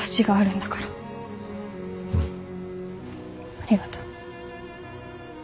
ありがとう。